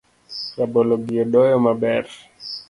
Rabolo gi odoyo maber